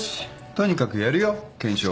とにかくやるよ検証を。